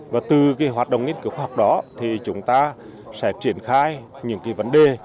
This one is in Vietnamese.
và từ hoạt động nghiên cứu khoa học đó thì chúng ta sẽ triển khai những cái vấn đề